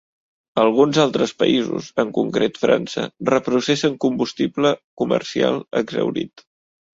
Alguns altres països, en concret França, reprocessen combustible comercial exhaurit.